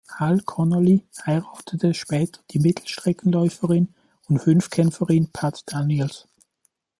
Hal Connolly heiratete später die Mittelstreckenläuferin und Fünfkämpferin Pat Daniels.